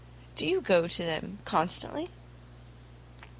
"Do you go to them constantly?"